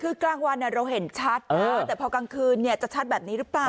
คือกลางวันเราเห็นชัดแต่พอกลางคืนจะชัดแบบนี้หรือเปล่า